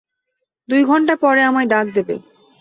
দুই ঘণ্টা পরে আমায় ডাক দেবে।